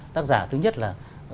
tác giả thứ nhất là